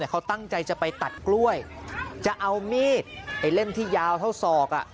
เขาตั้งใจจะไปตัดกล้วยจะเอามีดไอ้เล่มที่ยาวเท่าศอก